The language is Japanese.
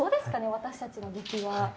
私たちの出来は。